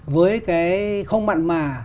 với cái không mặn mà